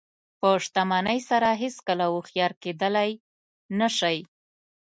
په شتمنۍ سره هېڅکله هوښیار کېدلی نه شئ.